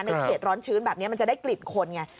ในเกรษร้อนชื้นแบบเนี่ยของหมอล็อตจะได้กลิ่นคนไง